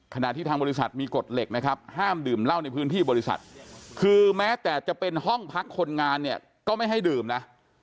ขณะที่ทางบริษัทมีกฎเหล็กนะครับห้ามดื่มเหล้าในพื้นที่บริษัทคือแม้แต่จะเป็นห้องพักคนงานเนี่ยก็ไม่ให้ดื่มนะ